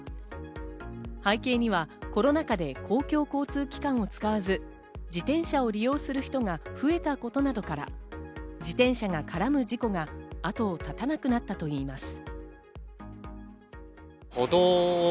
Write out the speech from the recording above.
背景にはコロナ禍で公共交通機関を使わず自転車を利用する人が増えたことなどから、自転車が絡む事故が後を絶たなくなったといいます。